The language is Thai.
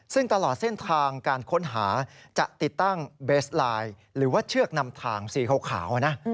ซึ่งตลอดเส้นทางการค้นหาจะติดตั้งเบสไลน์หรือว่าเชือกนำทางสีขาวนะ